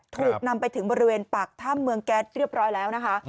ถูกนำไปถึงบริเวณปากถ้ำเมืองแก๊สเรียบร้อยแล้วนะคะ